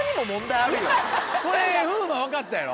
これ風磨分かったやろ？